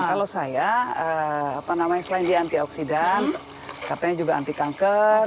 kalau saya selain dia antioksidan katanya juga anti kanker